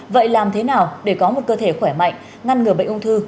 vậy làm thế nào để có một cơ thể khỏe mạnh ngăn ngừa bệnh ung thư